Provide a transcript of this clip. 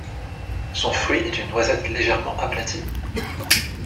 Son fruit est une noisette légèrement aplatie.